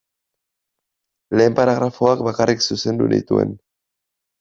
Lehen paragrafoak bakarrik zuzendu nituen.